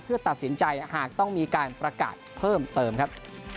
เพื่อตัดสินใจหากต้องมีการประกาศเพิ่มเติมครับ